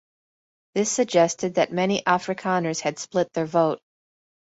This suggested that many Afrikaners had split their vote.